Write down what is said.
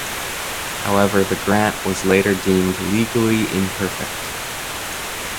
However the grant was later deemed legally imperfect.